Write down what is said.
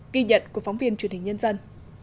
ghi nhận của phóng viên truyền hình nhân dân